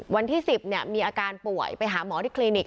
วันที่๑๐มีอาการป่วยไปหาหมอที่คลินิก